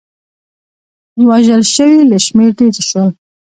وژل شوي له شمېر ډېر شول.